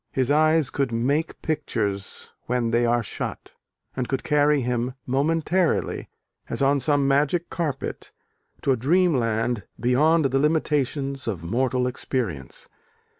His eyes could "make pictures when they are shut," and could carry him momentarily, as on some magic carpet, to a dreamland beyond the limitations of mortal experience.